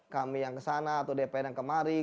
kami yang kesana atau dpr yang kemari